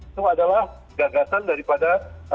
itu adalah gagasan daripada